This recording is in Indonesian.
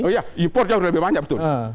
oh ya impor jauh lebih banyak betul